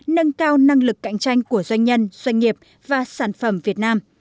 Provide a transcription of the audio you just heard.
nâng cao năng lực cạnh tranh của doanh nhân doanh nghiệp và sản phẩm việt nam